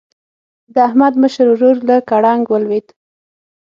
د احمد مشر ورور له ګړنګ ولوېد.